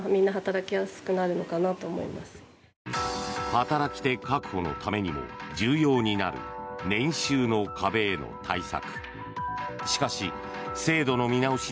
働き手確保のためにも重要になる年収の壁への対策。